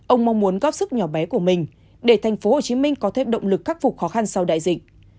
ông mong muốn góp sức nhỏ bé của mình để tp hcm có thêm động lực khắc phục khó khăn sau đại dịch